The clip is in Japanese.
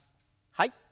はい。